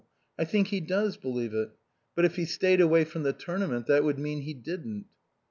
I think he does believe it. But if he stayed away from the tournament that would mean he didn't."